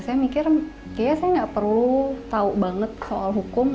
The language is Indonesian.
saya mikir kayaknya saya nggak perlu tahu banget soal hukum